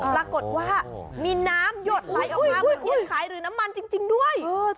ปรากฏว่ามีน้ำหยดไหลออกมาเหมือนคนขายหรือน้ำมันจริงด้วย